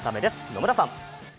野村さん。